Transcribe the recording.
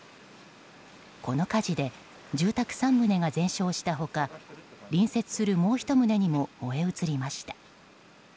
この火事で住宅３棟が全焼した他隣接するもう１棟にも燃え移りました。